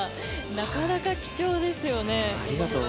なかなか貴重ですよね。